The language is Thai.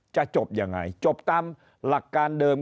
จะจบยังไงจบตามหลักการเดิม